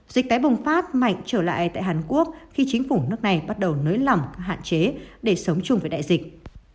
dịch tái bùng phát mạnh trở lại tại hàn quốc khi chính phủ nước này bắt đầu nới lỏng hạn chế để sống chung với đại dịch